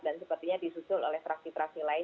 dan sepertinya disusul oleh fraksi fraksi lain